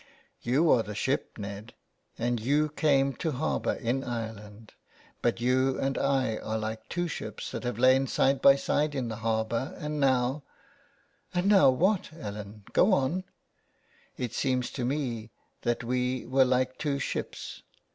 '' You are the ship, Ned, and you came to harbour in Ireland. But you and I are like two ships that have lain side by side in the harbour, and now "" And now what, Ellen ?" Go on !"' It seemed to me that we were like two ships."